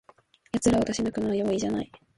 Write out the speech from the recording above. やつらを出し抜くのは容易じゃない